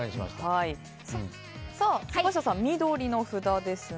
坂下さん、緑の札ですが。